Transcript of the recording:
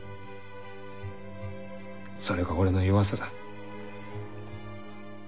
それが俺の弱さだ。